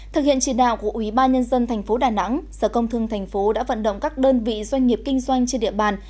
thực hiện trị đạo của ubnd tp đà nẵng sở công thương tp đã vận động các đơn vị doanh nghiệp kinh doanh trên địa bàn